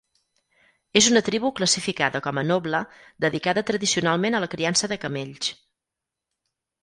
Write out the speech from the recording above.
És una tribu classificada com a noble, dedicada tradicionalment a la criança de camells.